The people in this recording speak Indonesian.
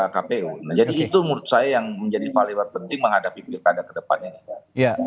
jadi itu menurut saya yang menjadi value art penting menghadapi pilkada kedepannya